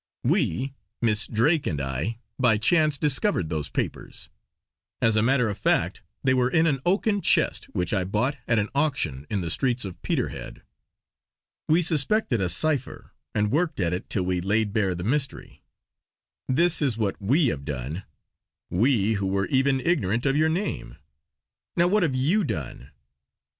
We Miss Drake and I by chance discovered those papers. As a matter of fact they were in an oaken chest which I bought at an auction in the streets of Peterhead. We suspected a cipher and worked at it till we laid bare the mystery. This is what we have done; we who were even ignorant of your name! Now, what have you done?